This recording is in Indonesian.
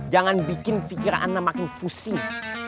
jangan bikin fikiran ana makin pusing